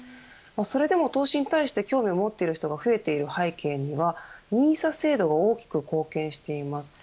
それでも、投資に対して興味を持っている人が増えている背景にはＮＩＳＡ制度が大きく貢献しています。